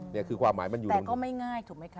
เนี่ยคือความหมายมันอยู่แต่มันก็ไม่ง่ายถูกไหมคะ